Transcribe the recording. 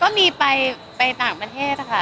ก็มีไปต่างประเทศค่ะ